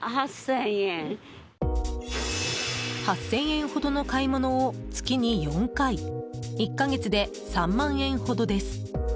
８０００円ほどの買い物を月に４回１か月で３万円ほどです。